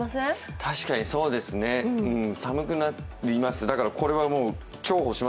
確かにそうですね、寒くなります。